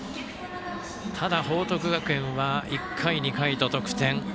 ただ、報徳学園は１回、２回と得点。